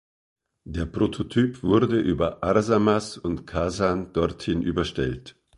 Der Prototyp wurde über Arsamas und Kasan dorthin überstellt.